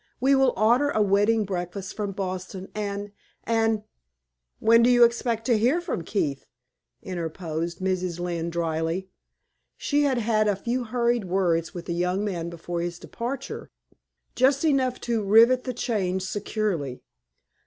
We will order a wedding breakfast from Boston and and " "When do you expect to hear from Keith?" interposed Mrs. Lynne, dryly. She had had a few hurried words with the young man before his departure just enough to rivet the chains securely.